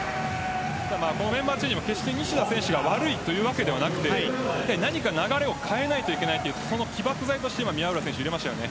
メンバーチェンジも決して西田選手が悪いというわけではなくて流れを変えなくてはいけないという起爆剤として宮浦選手を入れました。